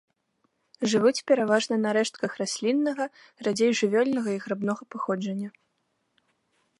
Жывуць пераважна на рэштках расліннага, радзей жывёльнага і грыбнога паходжання.